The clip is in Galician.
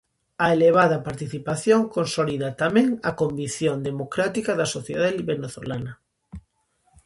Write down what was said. A elevada participación, consolida tamén a convicción democrática da sociedade venezolana.